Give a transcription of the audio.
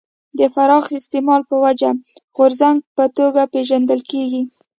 د پراخ استعمال په وجه غورځنګ په توګه پېژندل کېږي.